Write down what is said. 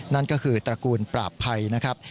นั่นก็คือตระกูลปราบภัยนะครับ